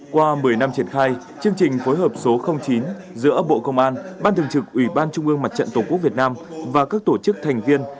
qua một mươi năm triển khai chương trình phối hợp số chín giữa bộ công an ban thường trực ủy ban trung ương mặt trận tổ quốc việt nam và các tổ chức thành viên